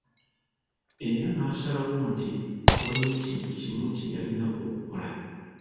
Era n'asalawo nti; waliwo ekintu kimu kye yalina okukola.